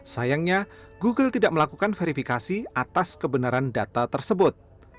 sayangnya google tidak melakukan verifikasi atas kebenaran data tersebut